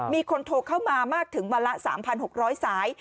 มีคนโทรเข้ามามากถึงวันละ๓๖๐๐สาย